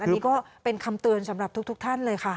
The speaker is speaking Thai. อันนี้ก็เป็นคำเตือนสำหรับทุกท่านเลยค่ะ